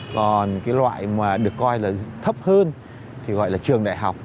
còn cái loại mà được coi là thấp hơn thì gọi là trường đại học